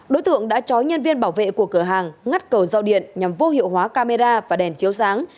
đối tượng đã chó nhân viên bảo vệ của cửa hàng ngắt cầu giao điện nhằm vô hiệu hóa camera và đèn chiếu sáng